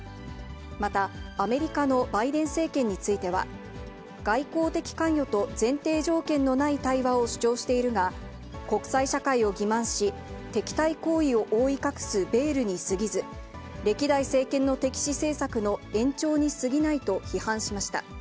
また、アメリカのバイデン政権については、外交的関与と前提条件のない対話を主張しているが、国際社会を欺まんし、敵対行為を覆い隠すベールにすぎず、歴代政権の敵視政策の延長に過ぎないと批判しました。